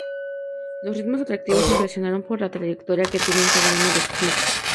Los ritmos atractivos impresionan por la trayectoria que tienen cada uno de sus músicos.